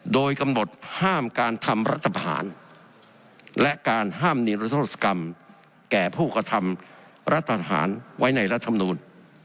โดยกำหนดห้ามการทำรัฐผ่านและการห้ามนิรัติศกรรมแก่ผู้กระทำรัฐผ่านไว้ในรัฐธรรมนูญ